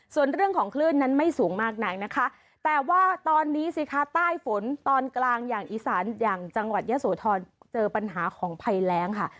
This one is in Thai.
ส่วนเรื่องของคลื่นนั้นไม่สูงมากนักนะคะแต่ว่าตอนนี้สิคะใต้ฝนตอนกลางอย่างอีสานอย่างจังหวัดยะโสธรเจอปัญหาของภัยแรงค่ะ